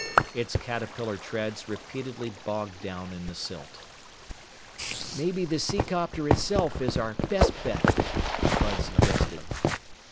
Its caterpillar treads repeatedly bogged down in the silt. "Maybe the seacopter itself is our best bet," Bud suggested.